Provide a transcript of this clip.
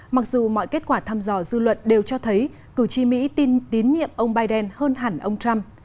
mặc dù mọi kết quả thăm dò dư luận đều cho thấy cử tri mỹ tin tín nhiệm ông biden hơn hẳn ông trump